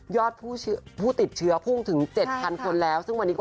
ผู้ติดเชื้อพุ่งถึง๗๐๐คนแล้วซึ่งวันนี้ก็